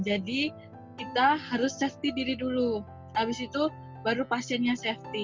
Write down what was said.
jadi kita harus safety diri dulu abis itu baru pasiennya safety